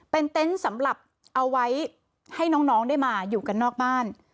เป็นเต็นต์สำหรับเอาไว้ให้น้องได้มาอยู่กันนอกบ้าน